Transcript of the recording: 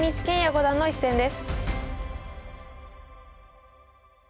五段の一戦です。